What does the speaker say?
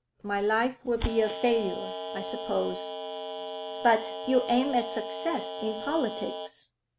My life will be a failure, I suppose.' 'But you aim at success in politics?'